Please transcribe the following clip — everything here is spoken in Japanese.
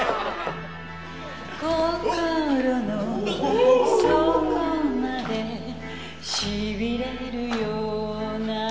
「心の底までしびれるような」